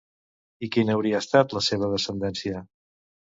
I quina hauria estat la seva descendència?